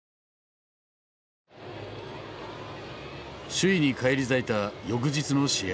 首位に返り咲いた翌日の試合。